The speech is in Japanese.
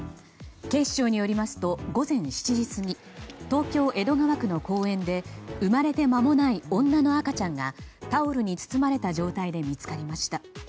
警視庁によりますと午前７時過ぎ東京・江戸川区の公園で生まれて間もない女の赤ちゃんがタオルに包まれた状態で見つかりました。